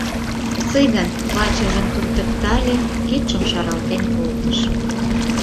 Цыган вачыжым туртыктале, кидшым шаралтен колтыш.